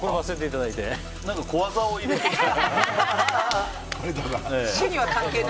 何か小技を入れてきた。